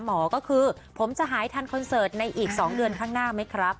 หมอก็คือผมจะหายทันคอนเสิร์ตในอีก๒เดือนข้างหน้าไหมครับ